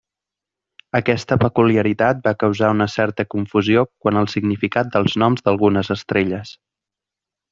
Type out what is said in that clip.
Aquesta peculiaritat va causar una certa confusió quant al significat dels noms d'algunes estrelles.